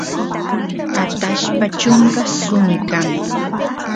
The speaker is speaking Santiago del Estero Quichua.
atashpa chunka suni kan